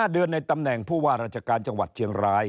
๕เดือนในตำแหน่งผู้ว่าราชการจังหวัดเชียงราย